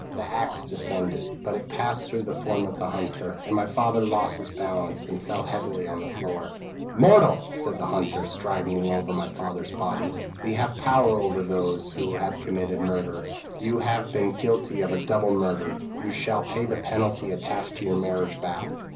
p> "The axe descended; but it passed through the form of the hunter, and my father lost his balance, and tell heavily on the floor. "'Mortal!' said the hunter, striding over my father's body, 'we have power over those only who have committed murder. You have been guilty of a double murder: you shall pay the penalty attached to your marriage vow.